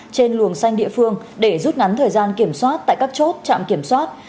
trên luồng xanh địa phương để rút ngắn thời gian kiểm soát tại các chốt trạm kiểm soát